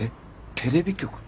テレビ局？